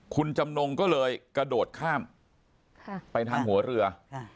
คุณจำนงก็เลยกระโดดข้ามไปทางหัวเรือ